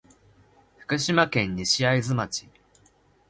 福島県西会津町